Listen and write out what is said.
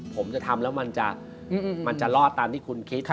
ผมจะทำแล้วมันจะรอดตามที่คุณคิด